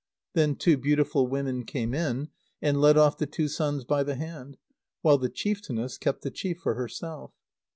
Then two beautiful women came in, and led off the two sons by the hand, while the chieftainess kept the chief for herself.